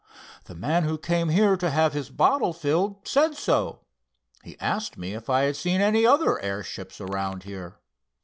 The man who came here to have his bottle filled said so. He asked me if I had seen any other airships around here.